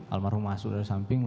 almarhum masuk dari samping